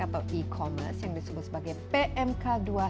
atau e commerce yang disebut sebagai pmk dua